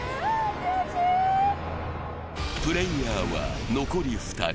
プレーヤーは残り２人。